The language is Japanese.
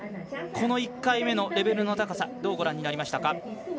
この１回目のレベルの高さどうご覧になりましたか？